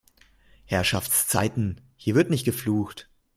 Herrschaftszeiten, hier wird nicht geflucht!